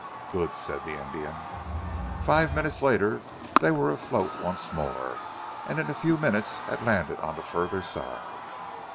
"Good!" said the Indian. Five minutes later they were afloat once more, and in a few minutes had landed on the further side.